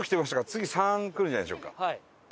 次「３」くるんじゃないでしょうか？